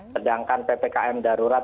sedangkan ppkm darurat